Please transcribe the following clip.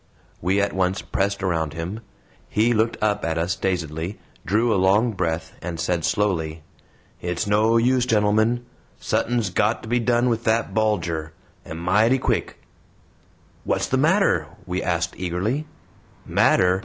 We at once pressed around him. He looked up at us dazedly, drew a long breath, and said slowly: "It's no use, gentlemen! Suthin's GOT to be done with that Bulger; and mighty quick." "What's the matter?" we asked eagerly. "Matter!"